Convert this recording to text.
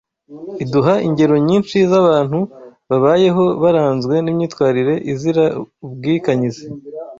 iduha ingero nyinshi z’abantu babayeho baranzwe n’imyitwarire izira ubwikanyize